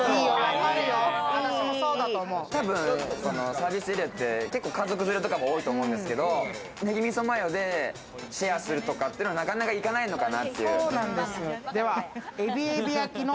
サービスエリアって家族連れも多いと思うんですけど、ネギ味噌マヨでシェアするっていうのはなかなか行かないのかな。